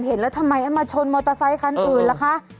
เห็นแล้วทำไมมาชนมอเตอร์ไซคันอื่นล่ะคะ